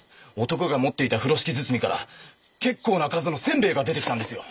男が持っていた風呂敷包みから結構な数の煎餅が出てきたんですよ。